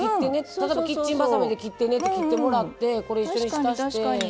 例えば「キッチンバサミで切ってね」って切ってもらってこれ一緒に浸して。